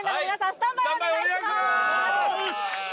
スタンバイお願いしますうし！